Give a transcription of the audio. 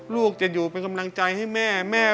ลูกจะอยู่เป็นกำลังใจให้แม่